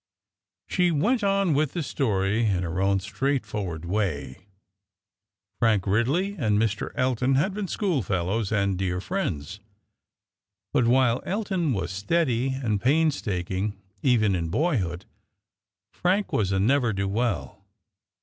She went on with the story in her own straightforward way. Frank Ridley and Mr. Elton had been schoolfellows and dear friends. But while Elton was steady and painstaking, even in boyhood, Frank was a never do well.